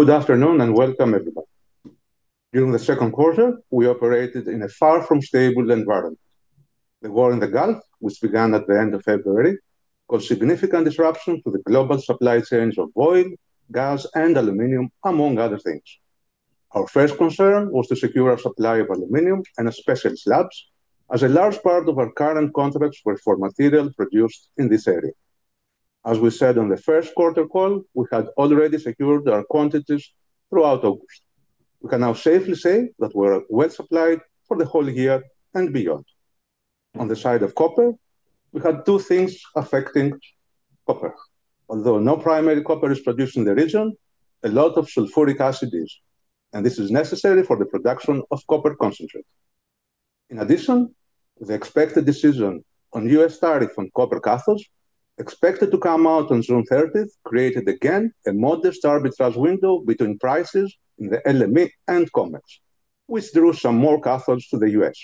Good afternoon, and welcome everybody. During the second quarter, we operated in a far from stable environment. The war in the Gulf, which began at the end of February, caused significant disruption to the global supply chains of oil, gas, and aluminum, among other things. Our first concern was to secure our supply of aluminum and especially slabs, as a large part of our current contracts were for material produced in this area. As we said on the first quarter call, we had already secured our quantities throughout August. We can now safely say that we're well supplied for the whole year and beyond. On the side of copper, we had two things affecting copper. Although no primary copper is produced in the region, a lot of sulfuric acid is, and this is necessary for the production of copper concentrate. In addition, the expected decision on U.S. tariff on copper cathodes, expected to come out on June 30th, created again a modest arbitrage window between prices in the LME and COMEX, which drew some more cathodes to the U.S.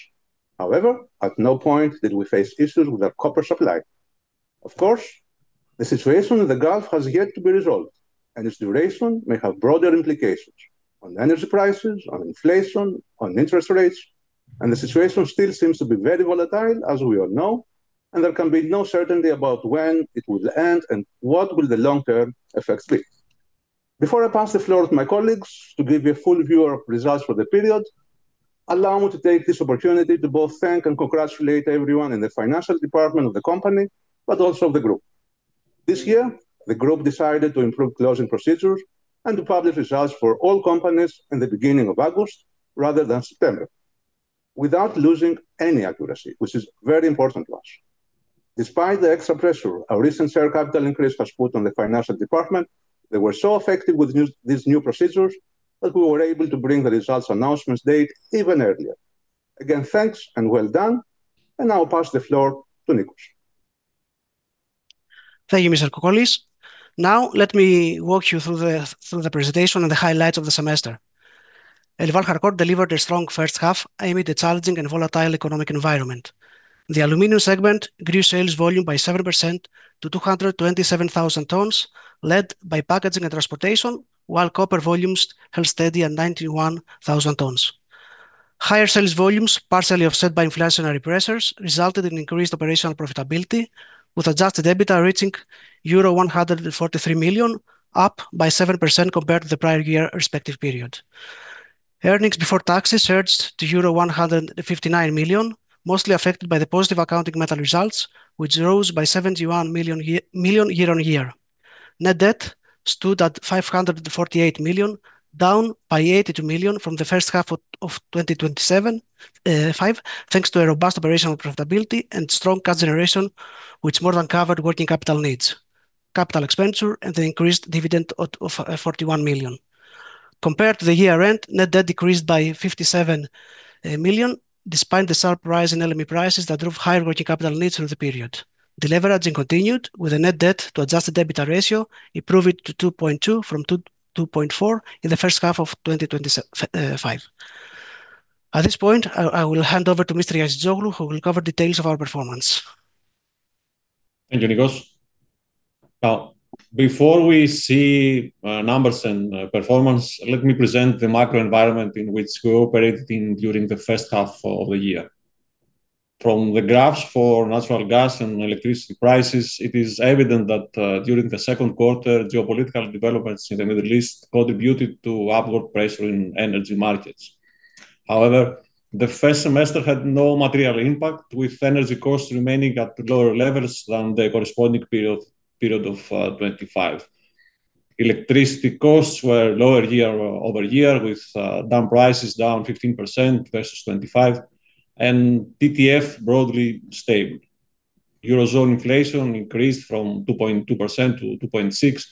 However, at no point did we face issues with our copper supply. The situation in the Gulf has yet to be resolved, and its duration may have broader implications on energy prices, on inflation, on interest rates, and the situation still seems to be very volatile, as we all know, there can be no certainty about when it will end and what will the long-term effects be. Before I pass the floor to my colleagues to give you a full view of results for the period, allow me to take this opportunity to both thank and congratulate everyone in the financial department of the company, but also the group. This year, the group decided to improve closing procedures and to publish results for all companies in the beginning of August rather than September, without losing any accuracy, which is very important to us. Despite the extra pressure our recent share capital increase has put on the financial department, they were so effective with these new procedures that we were able to bring the results announcement date even earlier. Again, thanks and well done, and I'll pass the floor to Nikos. Thank you, Mr. Kokkolis. Now let me walk you through the presentation and the highlights of the semester. ElvalHalcor delivered a strong first half amid a challenging and volatile economic environment. The aluminum segment grew sales volume by 7% to 227,000 tons, led by packaging and transportation, while copper volumes held steady at 91,000 tons. Higher sales volumes, partially offset by inflationary pressures, resulted in increased operational profitability, with adjusted EBITDA reaching euro 143 million, up by 7% compared to the prior year respective period. Earnings before taxes surged to euro 159 million, mostly affected by the positive accounting metal results, which rose by 71 million year-on-year. Net debt stood at 548 million, down by 82 million from the first half of 2025, thanks to a robust operational profitability and strong cash generation, which more than covered working capital needs, capital expenditure, and the increased dividend of 41 million. Compared to the year end, net debt decreased by 57 million, despite the sharp rise in LME prices that drove higher working capital needs through the period. The leverage continued with the net debt to adjusted EBITDA ratio, improved to 2.2 from 2.4 in the first half of 2025. At this point, I will hand over to Mr. Aizologlu who will cover details of our performance. Thank you, Nikos. Before we see numbers and performance, let me present the macro environment in which we operated in during the first half of the year. From the graphs for natural gas and electricity prices, it is evident that during the second quarter, geopolitical developments in the Middle East contributed to upward pressure in energy markets. However, the first semester had no material impact, with energy costs remaining at lower levels than the corresponding period of 2025. Electricity costs were lower year-over-year, with DAM prices down 15% versus 2025, and TTF broadly stable. Eurozone inflation increased from 2.2% to 2.6%,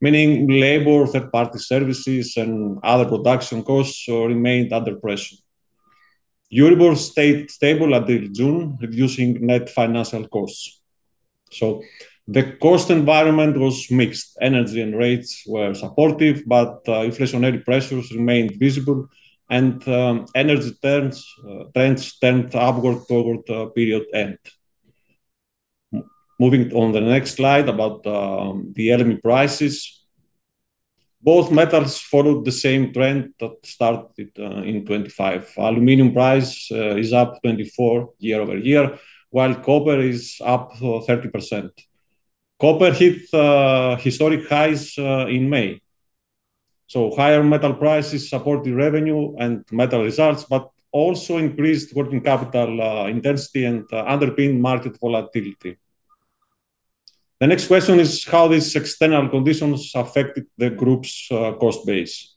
meaning labor, third-party services, and other production costs remained under pressure. Euribor stayed stable until June, reducing net financial costs. The cost environment was mixed. Energy and rates were supportive, but inflationary pressures remained visible and energy trends tend upward toward the period end. Moving on the next slide about the LME prices. Both metals followed the same trend that started in 2025. Aluminum price is up 24% year-over-year, while copper is up 30%. Copper hit historic highs in May. Higher metal prices supported revenue and metal results, but also increased working capital intensity and underpinned market volatility. The next question is how these external conditions affected the group's cost base.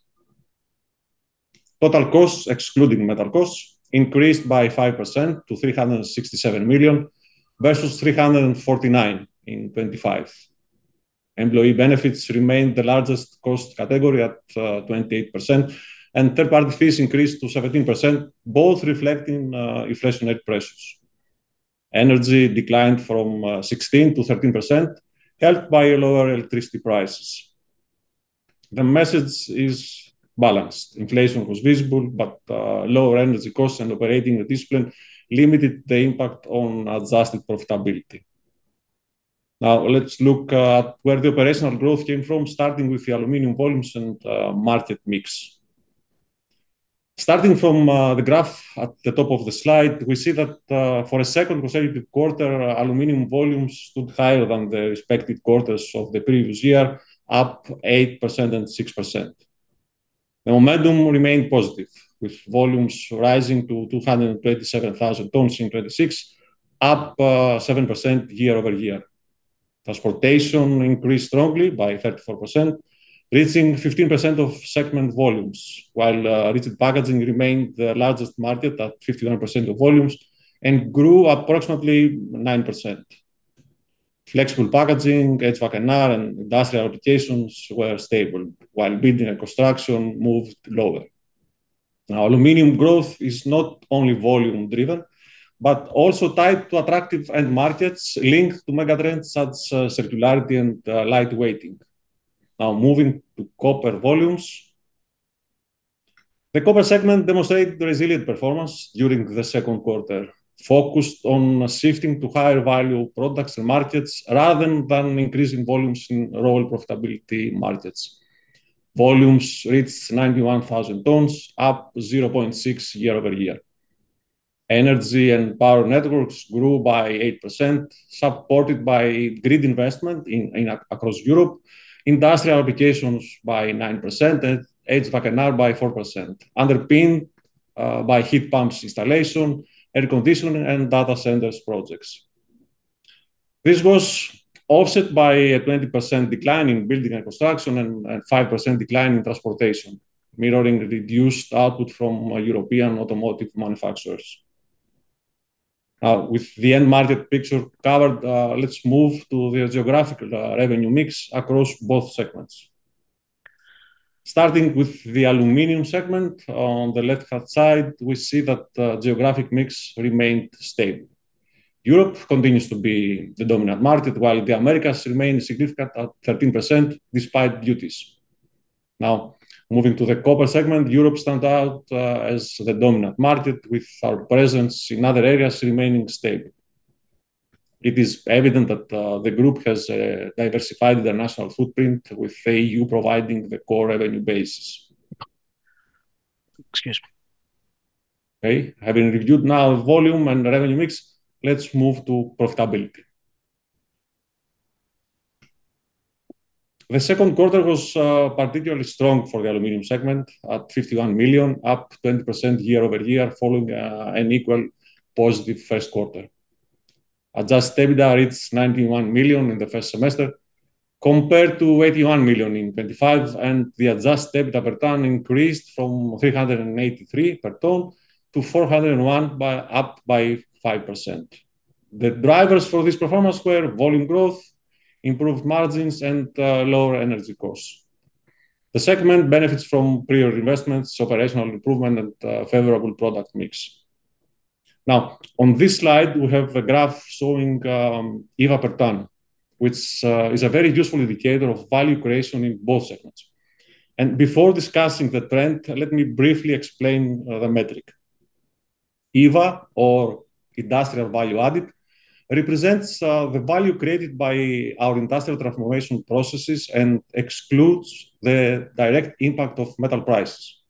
Total costs, excluding metal costs, increased by 5% to 367 million, versus 349 million in 2025. Employee benefits remained the largest cost category at 28%, and third-party fees increased to 17%, both reflecting inflationary pressures. Energy declined from 16% to 13%, helped by lower electricity prices. The message is balanced. Inflation was visible, but lower energy costs and operating discipline limited the impact on adjusted profitability. Now let's look at where the operational growth came from, starting with the aluminum volumes and market mix. Starting from the graph at the top of the slide, we see that for a second consecutive quarter, aluminum volumes stood higher than the respective quarters of the previous year, up 8% and 6%. The momentum remained positive, with volumes rising to 227,000 tons in 2026, up 7% year-over-year. Transportation increased strongly by 34%, reaching 15% of segment volumes, while rigid packaging remained the largest market at 51% of volumes and grew approximately 9%. Flexible packaging, HVAC&R and industrial applications were stable, while building and construction moved lower. Aluminum growth is not only volume-driven, but also tied to attractive end markets linked to mega trends such as circularity and light weighting. Moving to copper volumes. The Copper Segment demonstrated resilient performance during the second quarter, focused on shifting to higher value products and markets rather than increasing volumes in lower profitability markets. Volumes reached 91,000 tons, up 0.6% year-over-year. Energy and power networks grew by 8%, supported by grid investment across Europe, industrial applications by 9%, and HVAC&R by 4%, underpinned by heat pumps installation, air conditioning and data centers projects. This was offset by a 20% decline in building and construction and a 5% decline in transportation, mirroring reduced output from European automotive manufacturers. With the end market picture covered, let's move to the geographical revenue mix across both segments. Starting with the aluminum segment, on the left-hand side, we see that geographic mix remained stable. Europe continues to be the dominant market, while the Americas remain significant at 13%, despite duties. Moving to the Copper Segment, Europe stands out as the dominant market, with our presence in other areas remaining stable. It is evident that the group has diversified the national footprint with the EU providing the core revenue basis. Having reviewed now volume and revenue mix, let's move to profitability. The second quarter was particularly strong for the aluminum segment at 51 million, up 20% year-over-year following an equal positive first quarter. Adjusted EBITDA reached 91 million in the first semester compared to 81 million in 2025, and the adjusted EBITDA per ton increased from 383 per ton to 401, up by 5%. The drivers for this performance were volume growth, improved margins, and lower energy costs. The segment benefits from prior investments, operational improvement and favorable product mix. On this slide we have a graph showing EVA per ton, which is a very useful indicator of value creation in both segments. Before discussing the trend, let me briefly explain the metric. EVA or industrial value added represents the value created by our industrial transformation processes and excludes the direct impact of metal prices.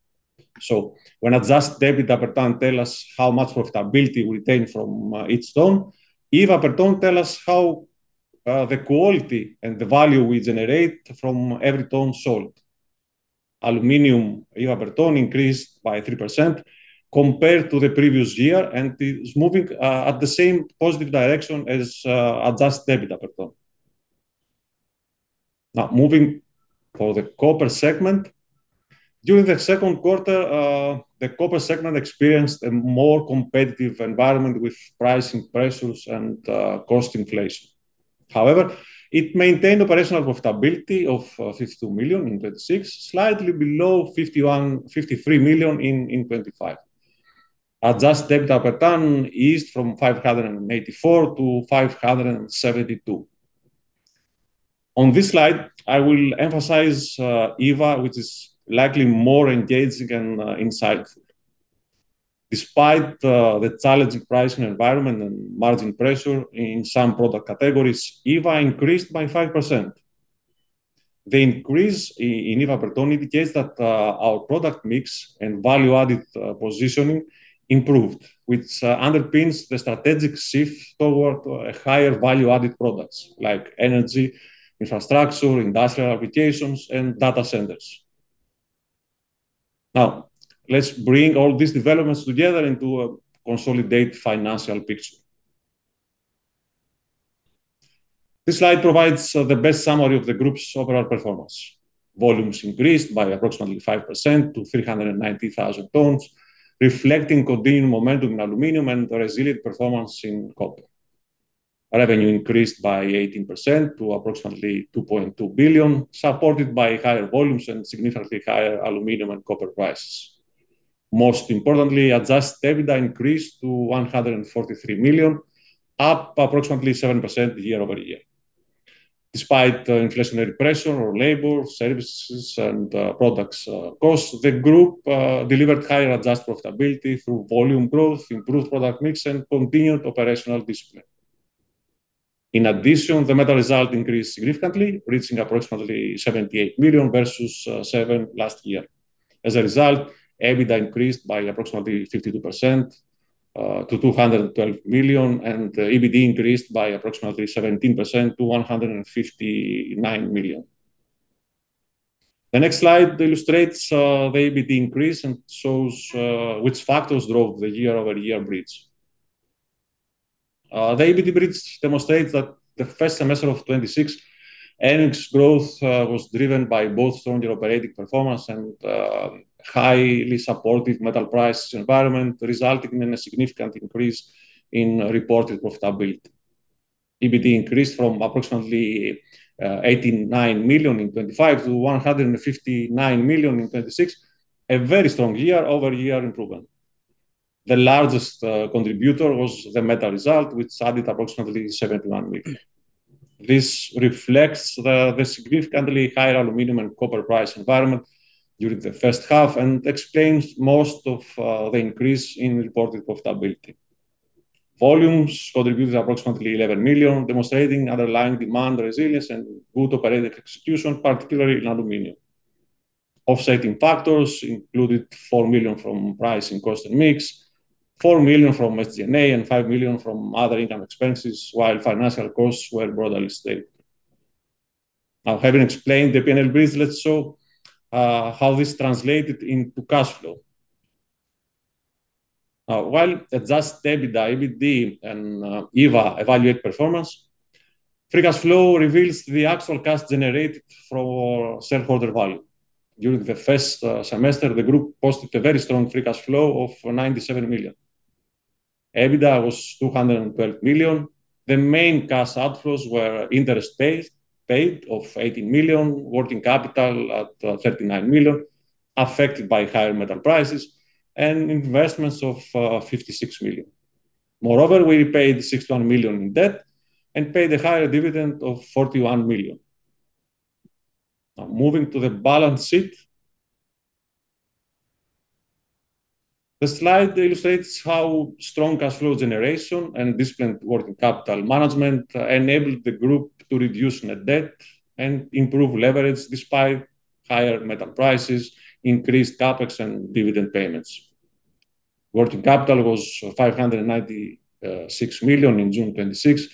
When adjusted EBITDA per ton tell us how much profitability we retain from each ton, EVA per ton tell us how the quality and the value we generate from every ton sold. Aluminum EVA per ton increased by 3% compared to the previous year and is moving at the same positive direction as adjusted EBITDA per ton. Moving for the Copper Segment. During the second quarter, the Copper Segment experienced a more competitive environment with pricing pressures and cost inflation. However, it maintained operational profitability of 52 million in 2026, slightly below 53 million in 2025. Adjusted EBITDA per ton is from 584 to 572. On this slide, I will emphasize EVA, which is likely more engaging and insightful. Despite the challenging pricing environment and margin pressure in some product categories, EVA increased by 5%. The increase in EVA per ton indicates that our product mix and value added positioning improved, which underpins the strategic shift toward higher value added products like energy, infrastructure, industrial applications, and data centers. Let's bring all these developments together into a consolidated financial picture. This slide provides the best summary of the group's overall performance. Volumes increased by approximately 5% to 390,000 tons, reflecting continuing momentum in aluminum and resilient performance in copper. Revenue increased by 18% to approximately 2.2 billion, supported by higher volumes and significantly higher aluminum and copper prices. Most importantly, adjusted EBITDA increased to 143 million, up approximately 7% year-over-year. Despite inflationary pressure on labor services and products costs, the group delivered higher adjusted profitability through volume growth, improved product mix, and continued operational discipline. In addition, the metal result increased significantly, reaching approximately 78 million versus 7 million last year. As a result, EBITDA increased by approximately 52% to 212 million, and EBT increased by approximately 17% to 159 million. The next slide illustrates the EBT increase and shows which factors drove the year-over-year bridge. The EBT bridge demonstrates that the first semester of 2026, earnings growth was driven by both stronger operating performance and highly supportive metal price environment, resulting in a significant increase in reported profitability. EBT increased from approximately 89 million in 2025 to 159 million in 2026, a very strong year-over-year improvement. The largest contributor was the metal result, which added approximately 71 million. This reflects the significantly higher aluminum and copper price environment during the first half and explains most of the increase in reported profitability. Volumes contributed approximately 11 million, demonstrating underlying demand resilience and good operating execution, particularly in aluminum. Offsetting factors included 4 million from price and cost mix, 4 million from SG&A, and 5 million from other income expenses, while financial costs were broadly stable. Having explained the P&L bridge, let's show how this translated into cash flow. While adjusted EBITDA, EBT, and EVA evaluate performance, free cash flow reveals the actual cash generated for shareholder value. During the first semester, the group posted a very strong free cash flow of 97 million. EBITDA was 212 million. The main cash outflows were interest paid of 18 million, working capital at 39 million, affected by higher metal prices, and investments of 56 million. Moreover, we repaid 61 million in debt and paid a higher dividend of 41 million. Moving to the balance sheet. The slide illustrates how strong cash flow generation and disciplined working capital management enabled the group to reduce net debt and improve leverage despite higher metal prices, increased CapEx, and dividend payments. Working capital was 596 million in June 2026,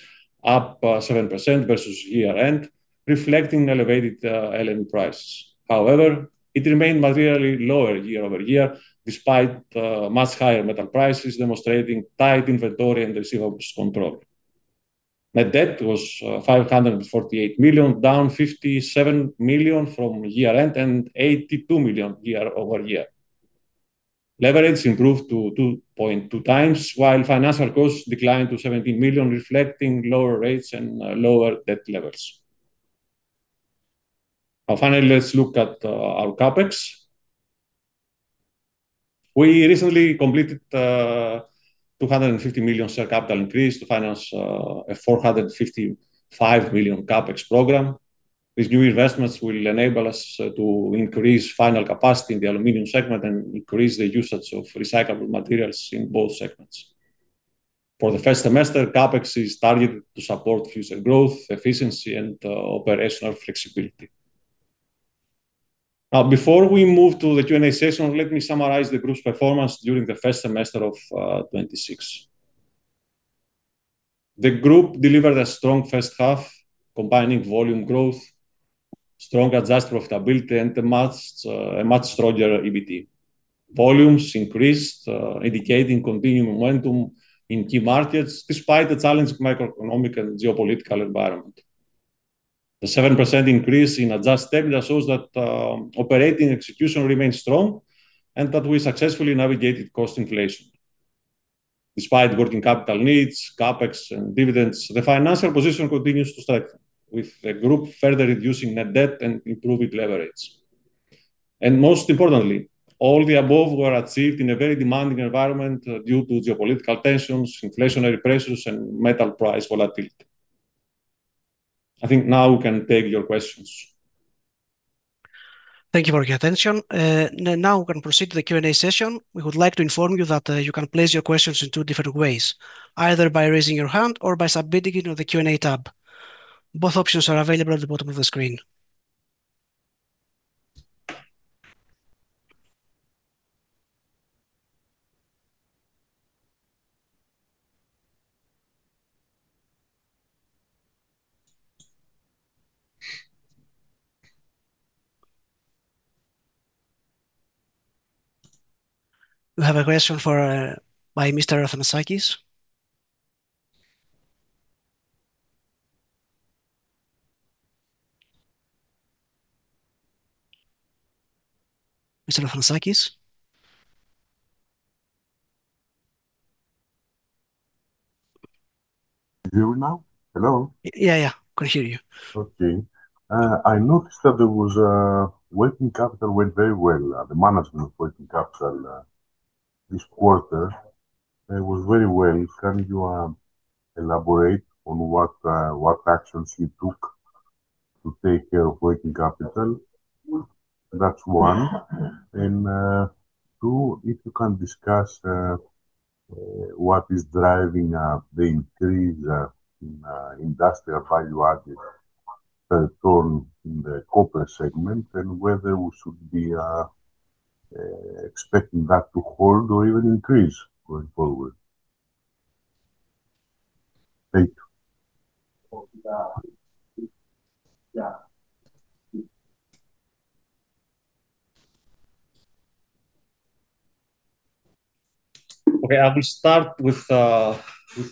up 7% versus year-end, reflecting elevated aluminum prices. However, it remained materially lower year-over-year, despite much higher metal prices, demonstrating tight inventory and receivables control. Net debt was 548 million, down 57 million from year-end and 82 million year-over-year. Leverage improved to 2.2x, while financial costs declined to 17 million, reflecting lower rates and lower debt levels. Finally, let's look at our CapEx. We recently completed a 250 million share capital increase to finance a 455 million CapEx program. These new investments will enable us to increase final capacity in the Aluminium Segment and increase the usage of recyclable materials in both segments. For the first semester, CapEx is targeted to support future growth, efficiency, and operational flexibility. Before we move to the Q&A session, let me summarize the group's performance during the first semester of 2026. The group delivered a strong first half, combining volume growth, strong adjusted profitability, and a much stronger EBT. Volumes increased, indicating continued momentum in key markets despite the challenging macroeconomic and geopolitical environment. The 7% increase in adjusted EBITDA shows that operating execution remains strong and that we successfully navigated cost inflation. Despite working capital needs, CapEx, and dividends, the financial position continues to strengthen, with the group further reducing net debt and improving leverage. Most importantly, all the above were achieved in a very demanding environment due to geopolitical tensions, inflationary pressures, and metal price volatility. I think now we can take your questions. Thank you for your attention. We can proceed to the Q&A session. We would like to inform you that you can place your questions in two different ways, either by raising your hand or by submitting it on the Q&A tab. Both options are available at the bottom of the screen. We have a question by Mr. Athanasakis. Mr. Athanasakis? You hear me now? Hello? Yeah. I can hear you. Okay. I noticed that working capital went very well, the management of working capital This quarter, it was very well. Can you elaborate on what actions you took to take care of working capital? That's one. Two, if you can discuss what is driving the increase in industrial value added per ton in the Copper Segment, and whether we should be expecting that to hold or even increase going forward. Thank you. Okay, I will start with the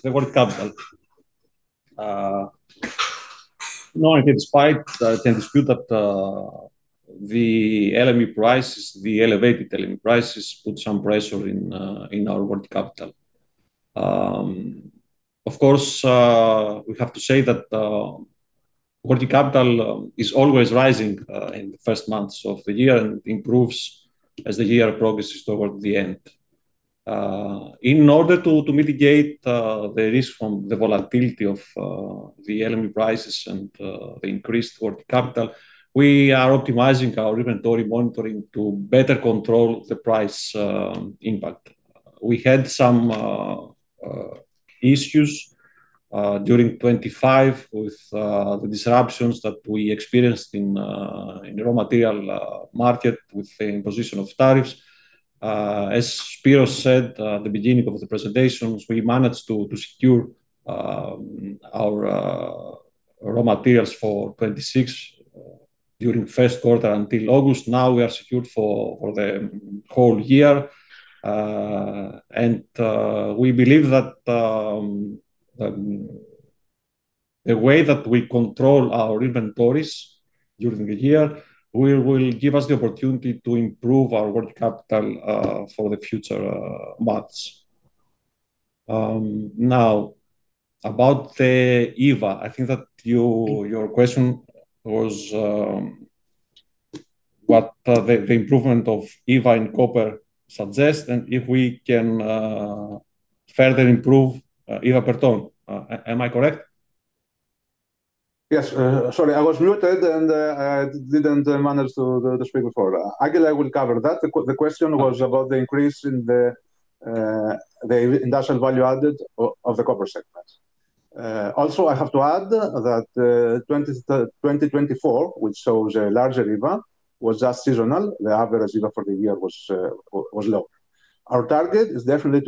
working capital. I think it's right, I can dispute that the LME prices, the elevated LME prices, put some pressure in our working capital. Of course, we have to say that working capital is always rising in the first months of the year and improves as the year progresses toward the end. In order to mitigate the risk from the volatility of the LME prices and the increased working capital, we are optimizing our inventory monitoring to better control the price impact. We had some issues during 2025 with the disruptions that we experienced in raw material market with the imposition of tariffs. As Spyros said at the beginning of the presentations, we managed to secure our raw materials for 2026 during first quarter until August. Now we are secured for the whole year. We believe that the way that we control our inventories during the year will give us the opportunity to improve our working capital for the future months. About the EVA, I think that your question was what the improvement of EVA in copper suggest, and if we can further improve EVA per ton. Am I correct? Yes. Sorry, I was muted and I didn't manage to speak before. Evangelos will cover that. The question was about the increase in the industrial value added of the Copper Segment. Also, I have to add that 2024, which shows a larger EVA, was just seasonal. The average EVA for the year was low. Our target is definitely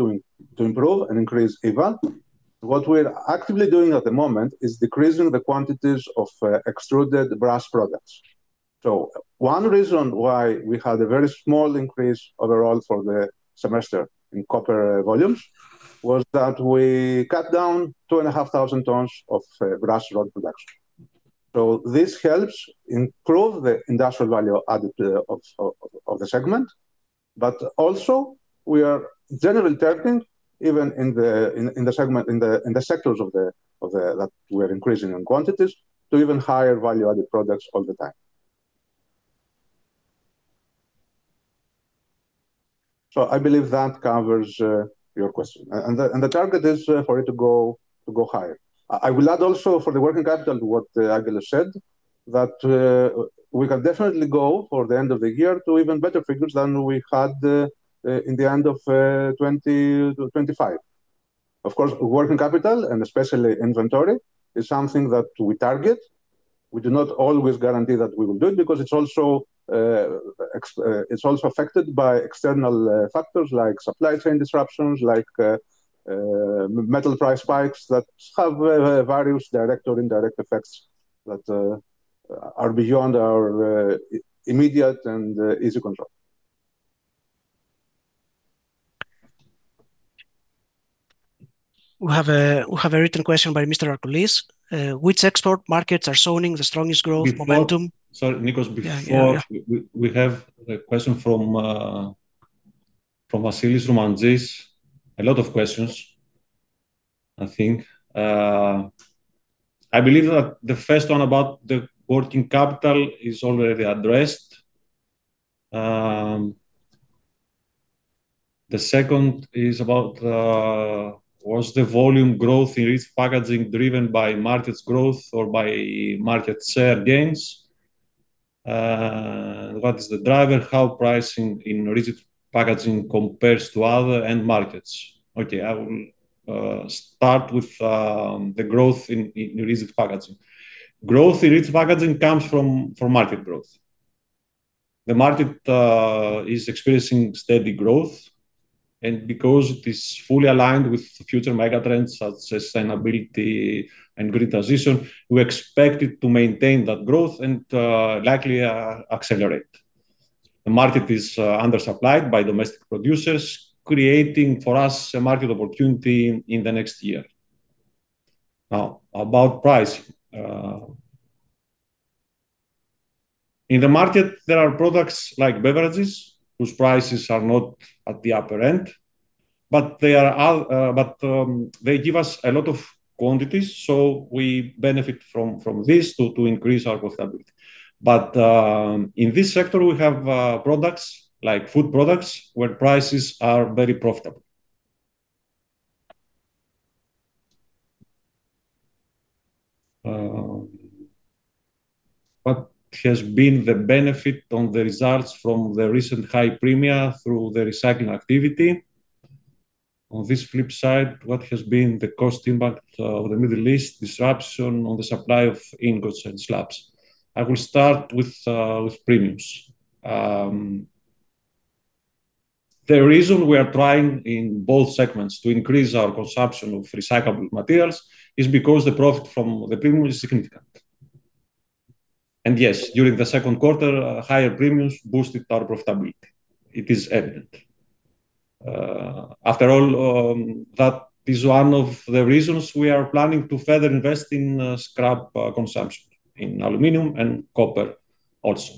to improve and increase EVA. What we're actively doing at the moment is decreasing the quantities of extruded brass products. One reason why we had a very small increase overall for the semester in copper volumes was that we cut down 2,500 tons of brass rod production. This helps improve the industrial value added of the segment, also we are generally targeting, even in the sectors that we're increasing in quantities, to even higher value added products all the time. I believe that covers your question and the target is for it to go higher. I will add also for the working capital what Evangelos said, that we can definitely go for the end of the year to even better figures than we had in the end of 2025. Of course, working capital and especially inventory is something that we target. We do not always guarantee that we will do it because it's also affected by external factors like supply chain disruptions, like metal price spikes that have various direct or indirect effects that are beyond our immediate and easy control. We have a written question by Mr. Arkoulis. Which export markets are showing the strongest growth momentum? Sorry, Nikos, before- Yeah. We have a question from Vasilis Roumanias. A lot of questions, I think. I believe that the first one about the working capital is already addressed. The second is about, was the volume growth in rigid packaging driven by market growth or by market share gains? What is the driver? How pricing in rigid packaging compares to other end markets? Okay, I will start with the growth in rigid packaging. Growth in rigid packaging comes from market growth. The market is experiencing steady growth, and because it is fully aligned with future mega trends such as sustainability and green transition, we expect it to maintain that growth and likely accelerate. The market is undersupplied by domestic producers, creating for us a market opportunity in the next year. Now, about pricing. In the market, there are products like beverages whose prices are not at the upper end. They give us a lot of quantities, so we benefit from this to increase our profitability. In this sector, we have products like food products, where prices are very profitable. What has been the benefit on the results from the recent high premia through the recycling activity? On this flip side, what has been the cost impact of the Middle East disruption on the supply of ingots and slabs? I will start with premiums. The reason we are trying in both segments to increase our consumption of recyclable materials is because the profit from the premium is significant. Yes, during the second quarter, higher premiums boosted our profitability. It is evident. After all, that is one of the reasons we are planning to further invest in scrap consumption in aluminum and copper also.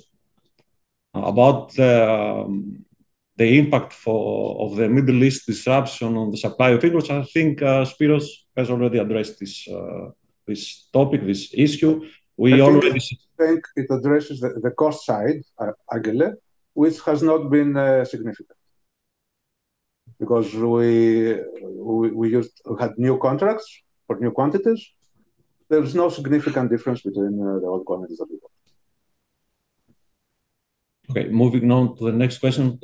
About the impact of the Middle East disruption on the supply of ingots, I think Spyros has already addressed this topic, this issue. I think it addresses the cost side, Evangelos, which has not been significant because we had new contracts for new quantities. There is no significant difference between the old quantities that we got. Okay, moving on to the next question.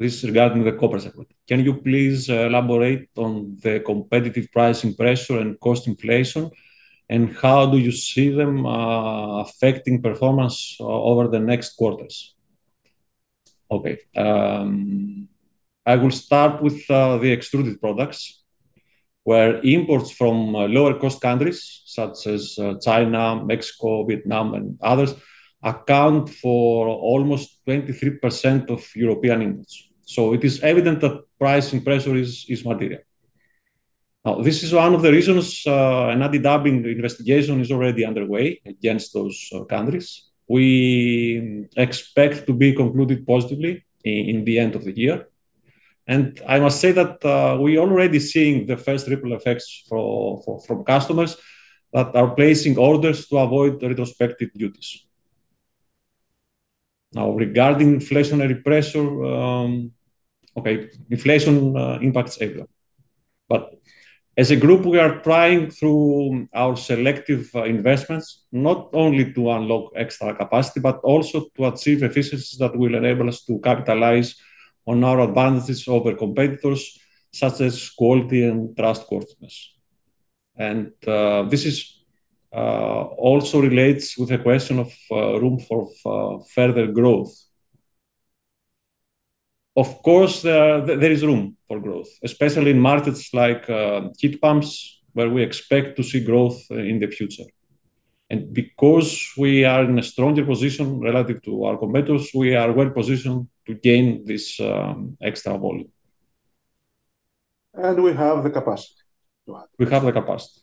This is regarding the Copper Segment. Can you please elaborate on the competitive pricing pressure and cost inflation, and how do you see them affecting performance over the next quarters? Okay. I will start with the extruded products, where imports from lower cost countries such as China, Mexico, Vietnam, and others account for almost 23% of European imports. It is evident that pricing pressure is material. This is one of the reasons an anti-dumping investigation is already underway against those countries. We expect to be concluded positively in the end of the year. I must say that we already seeing the first ripple effects from customers that are placing orders to avoid the retrospective duties. Regarding inflationary pressure, inflation impact is everywhere. As a group, we are trying through our selective investments, not only to unlock extra capacity, but also to achieve efficiencies that will enable us to capitalize on our advantages over competitors such as quality and trustworthiness. This also relates with the question of room for further growth. Of course, there is room for growth, especially in markets like heat pumps, where we expect to see growth in the future. Because we are in a stronger position relative to our competitors, we are well-positioned to gain this extra volume. We have the capacity to add. We have the capacity.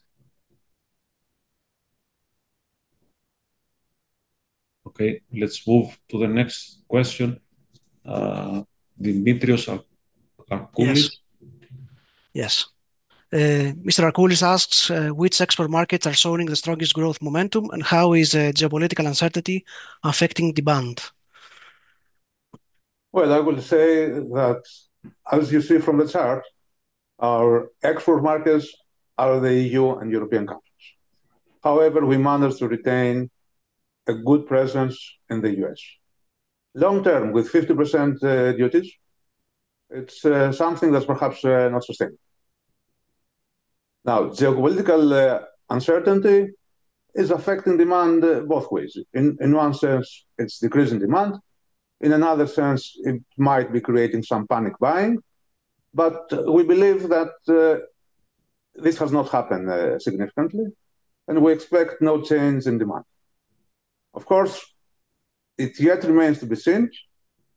Okay, let's move to the next question. Dimitrios Arkoulis. Yes. Mr. Arkoulis asks, which export markets are showing the strongest growth momentum, and how is geopolitical uncertainty affecting demand? Well, I will say that, as you see from the chart, our export markets are the EU and European countries. However, we managed to retain a good presence in the U.S. Long-term, with 50% duties, it's something that's perhaps not sustainable. Geopolitical uncertainty is affecting demand both ways. In one sense, it's decreasing demand. In another sense, it might be creating some panic buying. We believe that this has not happened significantly, and we expect no change in demand. Of course, it yet remains to be seen.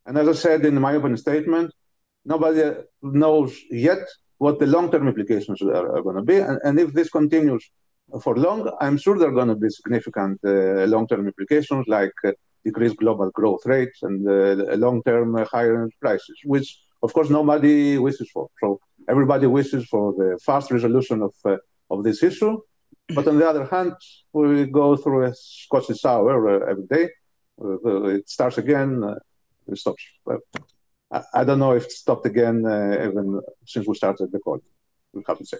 As I said in my opening statement, nobody knows yet what the long-term implications are going to be. If this continues for long, I'm sure there are going to be significant long-term implications like decreased global growth rates and long-term higher prices, which of course, nobody wishes for. Everybody wishes for the fast resolution of this issue. On the other hand, we go through a Scottish shower every day. It starts again, it stops. I don't know if it stopped again even since we started the call, we'll have to see.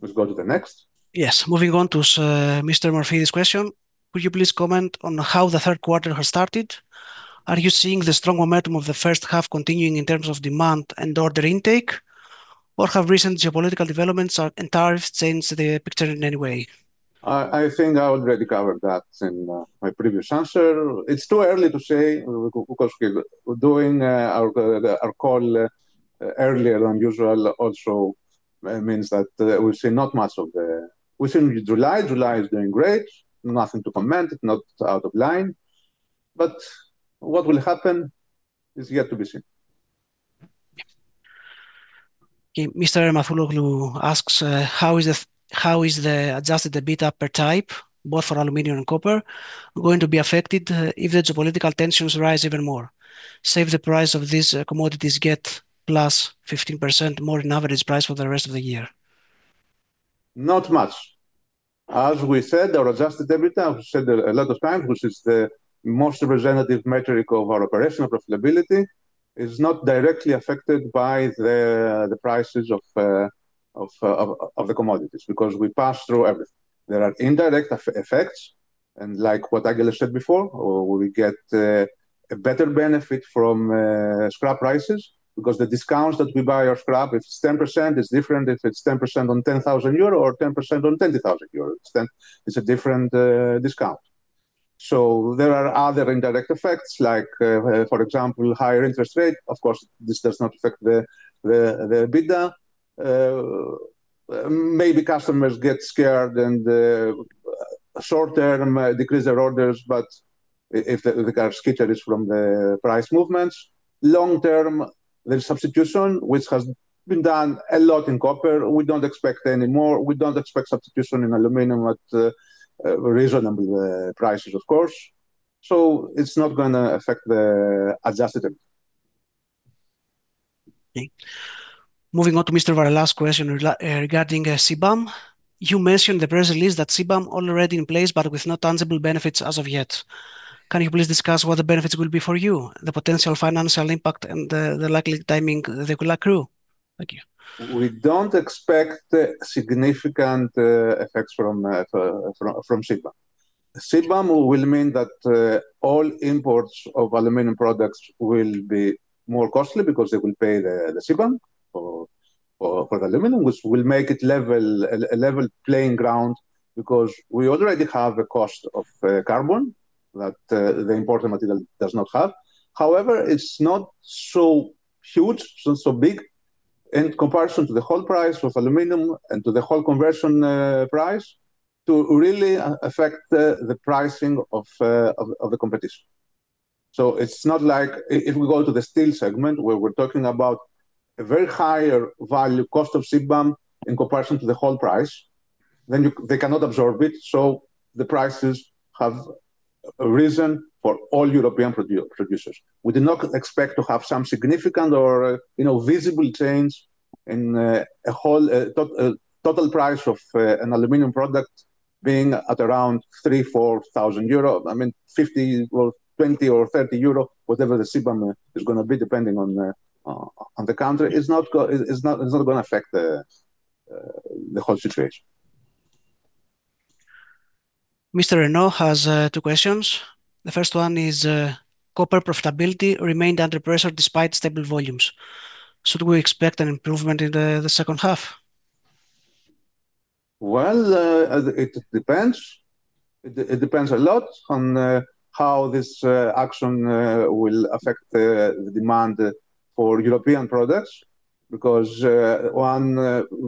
Let's go to the next. Yes. Moving on to Mr. Morfidis' question. Could you please comment on how the third quarter has started? Are you seeing the strong momentum of the first half continuing in terms of demand and order intake, or have recent geopolitical developments and tariffs changed the picture in any way? I think I already covered that in my previous answer. It's too early to say because we're doing our call earlier than usual also means that we've seen July. July is doing great. Nothing to comment, not out of line. What will happen is yet to be seen. Mr. Mathuloglu asks how is the adjusted EBITDA per type, both for aluminum and copper, going to be affected if the geopolitical tensions rise even more, save the price of these commodities get plus 15% more in average price for the rest of the year? Not much. As we said, our adjusted EBITDA, we said a lot of times, which is the most representative metric of our operational profitability, is not directly affected by the prices of the commodities because we pass through everything. There are indirect effects and like what Evangelos said before, we get a better benefit from scrap prices because the discounts that we buy our scrap, if it's 10%, is different if it's 10% on 10,000 euro or 10% on 20,000 euro, then it's a different discount. There are other indirect effects like, for example, higher interest rate. Of course, this does not affect the EBITDA. Maybe customers get scared and short-term, decrease their orders, if they get scared is from the price movements. Long-term, there's substitution, which has been done a lot in copper. We don't expect anymore. We don't expect substitution in aluminium at reasonable prices, of course. It's not going to affect the adjusted EBT. Okay. Moving on to Mr. Varla's question regarding CBAM. You mentioned the press release that CBAM already in place, with no tangible benefits as of yet. Can you please discuss what the benefits will be for you, the potential financial impact and the likely timing they will accrue? Thank you. We don't expect significant effects from CBAM. CBAM will mean that all imports of aluminium products will be more costly because they will pay the CBAM for the aluminium, which will make it a level playing ground because we already have a cost of carbon that the imported material does not have. However, it's not so huge, so big in comparison to the whole price of aluminium and to the whole conversion price to really affect the pricing of the competition. It's not like if we go to the steel segment where we're talking about a very higher value cost of CBAM in comparison to the whole price, then they cannot absorb it, so the prices have risen for all European producers. We do not expect to have some significant or visible change in a total price of an aluminium product being at around 3,000, 4,000 euro. I mean, 50 or 20 or 30 euro, whatever the CBAM is going to be, depending on the country, it's not going to affect the whole situation. Mr. Renault has two questions. The first one is copper profitability remained under pressure despite stable volumes. Should we expect an improvement in the second half? Well, it depends. It depends a lot on how this action will affect the demand for European products because one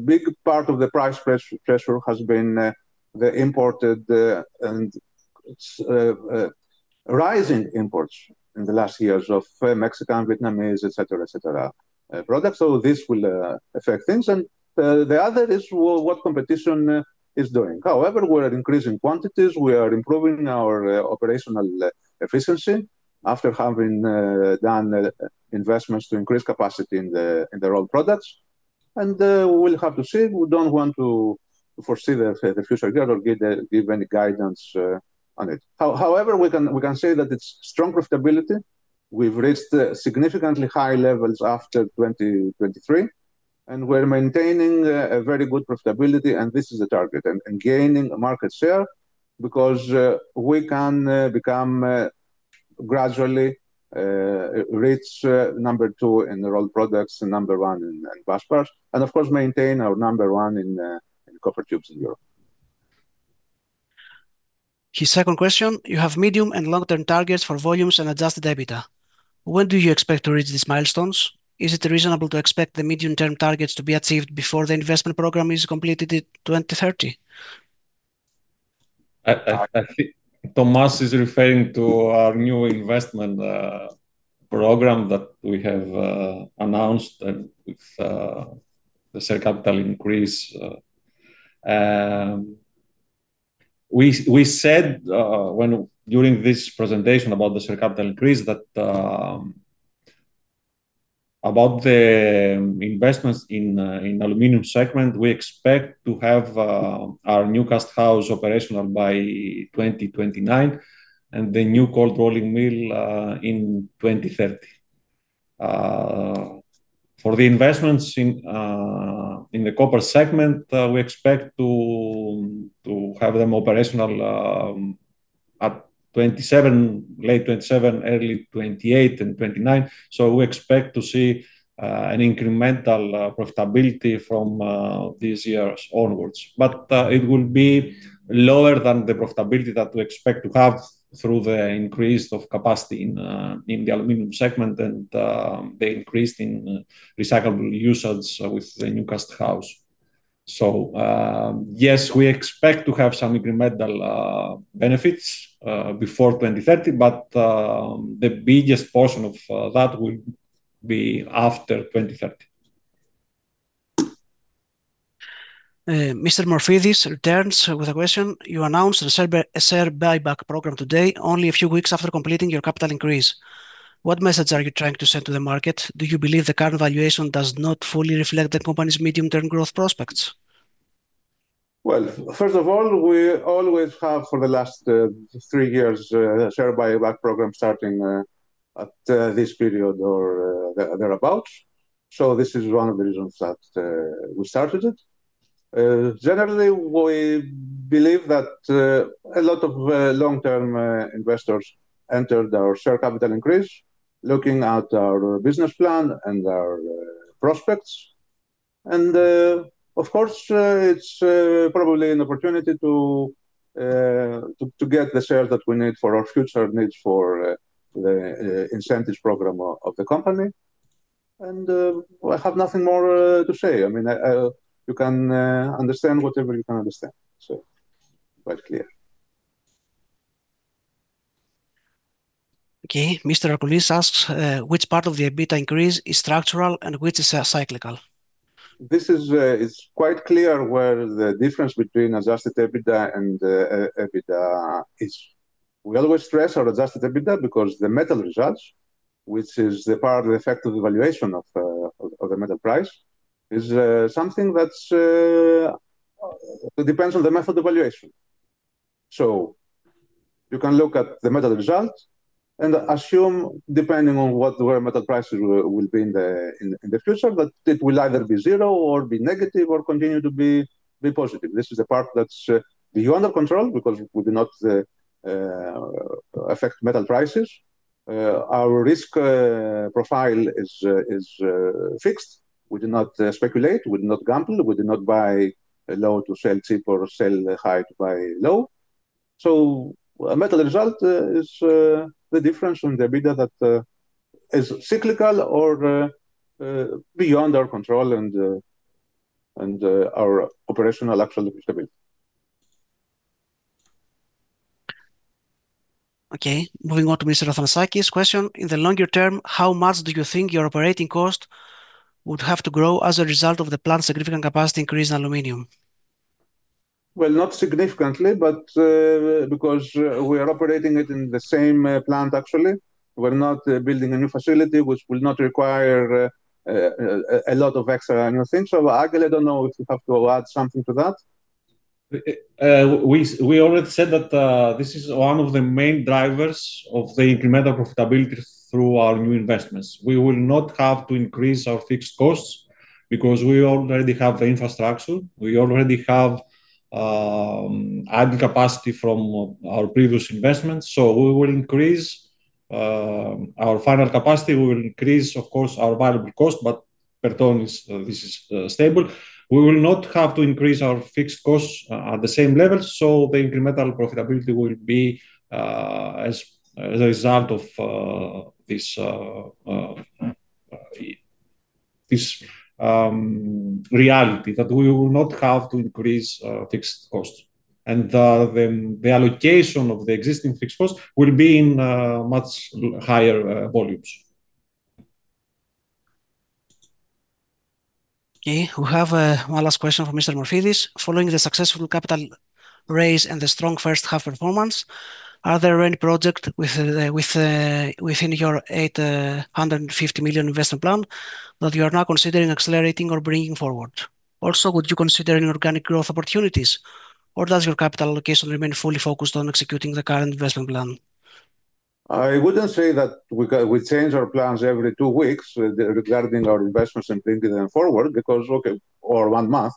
big part of the price pressure has been the imported and rising imports in the last years of Mexican, Vietnamese, et cetera, et cetera, products. This will affect things, and the other is what competition is doing. However, we're increasing quantities, we are improving our operational efficiency after having done investments to increase capacity in the rod products, and we'll have to see. We don't want to foresee the future there or give any guidance on it. However, we can say that it's strong profitability. We've reached significantly high levels after 2023, and we're maintaining a very good profitability, this is the target, gaining market share because we can become gradually reach number two in rod products and number one in brass bars, of course, maintain our number one in copper tubes in Europe. His second question, you have medium and long-term targets for volumes and adjusted EBITDA. When do you expect to reach these milestones? Is it reasonable to expect the medium-term targets to be achieved before the investment program is completed in 2030? I think Thomas is referring to our new investment program that we have announced with the share capital increase. We said during this presentation about the share capital increase that about the investments in Aluminium Segment, we expect to have our new cast house operational by 2029 and the new cold rolling mill in 2030. For the investments in the Copper Segment, we expect to have them operational at late 2027, early 2028 and 2029. We expect to see an incremental profitability from these years onwards, but it will be lower than the profitability that we expect to have through the increase of capacity in the Aluminium Segment and the increase in recyclable usage with the new cast house. Yes, we expect to have some incremental benefits before 2030, but the biggest portion of that will be after 2030. Mr. Morfidis returns with a question. You announced a share buyback program today, only a few weeks after completing your capital increase. What message are you trying to send to the market? Do you believe the current valuation does not fully reflect the company's medium-term growth prospects? Well, first of all, we always have for the last three years, a share buyback program starting at this period or thereabout. This is one of the reasons that we started it. Generally, we believe that a lot of long-term investors entered our share capital increase, looking at our business plan and our prospects. Of course, it's probably an opportunity to get the share that we need for our future needs for the incentives program of the company. I have nothing more to say. You can understand whatever you can understand. Quite clear. Okay, Mr. Arkoulis asks which part of the EBITDA increase is structural and which is cyclical. This is quite clear where the difference between adjusted EBITDA and EBITDA is. We always stress our adjusted EBITDA because the metal result, which is the part of the effect of the valuation of the metal price, is something that depends on the method of valuation. You can look at the metal result and assume, depending on where metal prices will be in the future, that it will either be zero or be negative or continue to be positive. This is the part that's beyond our control because we do not affect metal prices. Our risk profile is fixed. We do not speculate, we do not gamble, we do not buy low to sell cheap or sell high to buy low. A metal result is the difference from the EBITDA that is cyclical or beyond our control and our operational flexibility. Okay, moving on to Mr. Athanasakis' question. In the longer term, how much do you think your operating cost would have to grow as a result of the planned significant capacity increase in aluminum? Well, not significantly, because we are operating it in the same plant, actually. We're not building a new facility which will not require a lot of extra annual things. Evangelos, I don't know if you have to add something to that. We already said that this is one of the main drivers of the incremental profitability through our new investments. We will not have to increase our fixed costs because we already have the infrastructure, we already have added capacity from our previous investments. We will increase our final capacity, we will increase, of course, our variable cost, but per ton, this is stable. We will not have to increase our fixed costs at the same level, so the incremental profitability will be as a result of this reality that we will not have to increase fixed costs. The allocation of the existing fixed costs will be in much higher volumes. Okay, we have one last question from Mr. Morfidis. Following the successful capital raise and the strong first half performance, are there any project within your 850 million investment plan that you are now considering accelerating or bringing forward? Also would you consider any organic growth opportunities, or does your capital allocation remain fully focused on executing the current investment plan? I wouldn't say that we change our plans every two weeks regarding our investments and bringing them forward because, okay, or one month,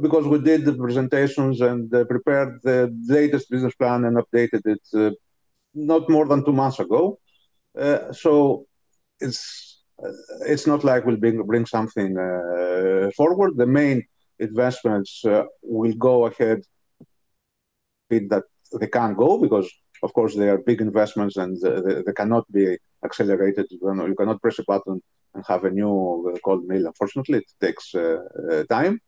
because we did the presentations and prepared the latest business plan and updated it not more than two months ago. It's not like we'll bring something forward. The main investments will go ahead being that they can go because, of course, they are big investments and they cannot be accelerated. You cannot press a button and have a new cold mill. Unfortunately, it takes time.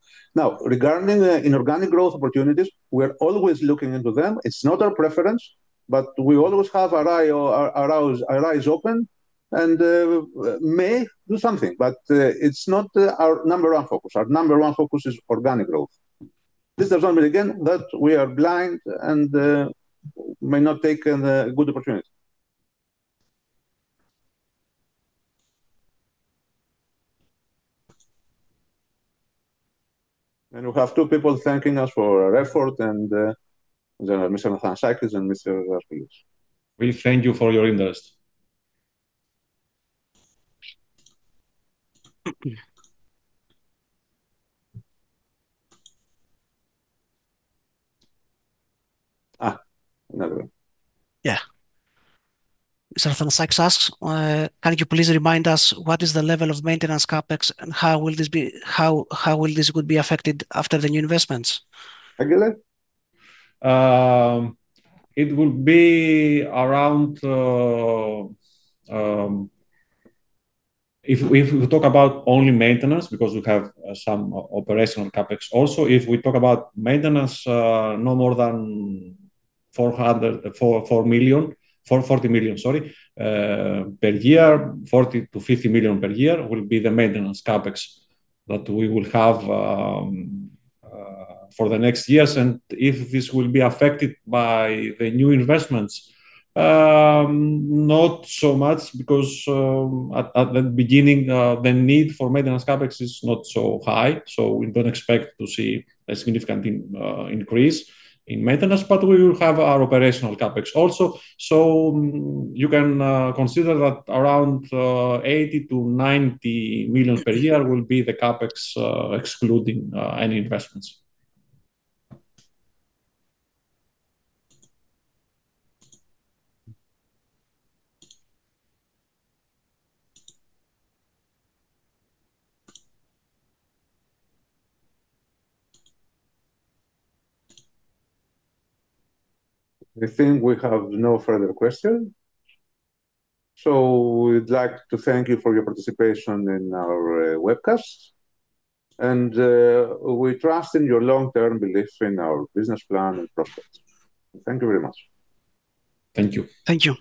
Regarding inorganic growth opportunities, we're always looking into them. It's not our preference, but we always have our eyes open and may do something, but it's not our number one focus. Our number one focus is organic growth. This does not mean, again, that we are blind and may not take a good opportunity. We have two people thanking us for our effort, then Mr. Athanasakis and Mr. Morfidis. We thank you for your interest. Another one. Mr. Athanasakis asks, "Can you please remind us what is the level of maintenance CapEx and how will this could be affected after the new investments? Evangelos? If we talk about only maintenance because we have some operational CapEx also, if we talk about maintenance, no more than 440 million per year. 40 million-50 million per year will be the maintenance CapEx that we will have for the next years. If this will be affected by the new investments, not so much because at the beginning, the need for maintenance CapEx is not so high, we don't expect to see a significant increase in maintenance, but we will have our operational CapEx also. You can consider that around 80 million-90 million per year will be the CapEx excluding any investments. I think we have no further questions, so we'd like to thank you for your participation in our webcast, and we trust in your long-term belief in our business plan and prospects. Thank you very much. Thank you. Thank you.